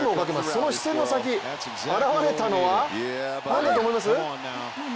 その視線の先、現れたのは何だと思います？